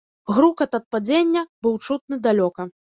Грукат ад падзення быў чутны далёка.